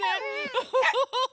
ウフフフフ！